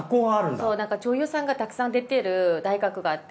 そうなんか女優さんがたくさん出てる大学があって。